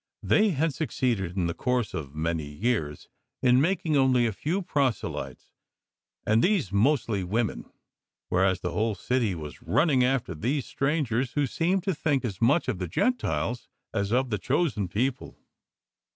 They had succeeded, in the course of many years, in making only a few proselytes, and these mostly women; whereas the whole city was running after these strangers, who seemed to think as much of the Gentiles as of the Chosen People.